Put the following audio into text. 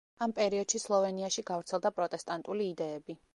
ამ პერიოდში სლოვენიაში გავრცელდა პროტესტანტული იდეები.